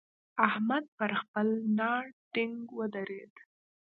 احمد پر خپل ناړ ټينګ ودرېد.